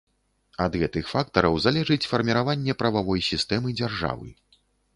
Ад гэтых фактараў залежыць фарміраванне прававой сістэмы дзяржавы.